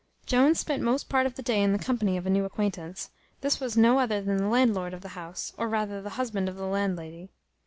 Jones spent most part of the day in the company of a new acquaintance. This was no other than the landlord of the house, or rather the husband of the landlady.